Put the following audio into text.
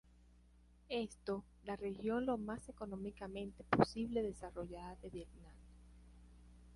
Esto la región lo más económicamente posible desarrollada de Vietnam.